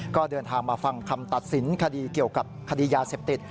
ก็เดินทางมาฟังคำตัดสินคดีเกี่ยวกับคดียาเสพติด